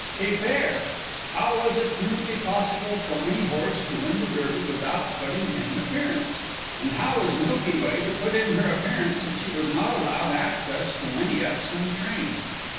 Que faire? How was it humanly possible for any horse to win the Derby race without putting in an appearance? And how was Milky Way to put in her appearance if she was not allowed access to any Epsom train?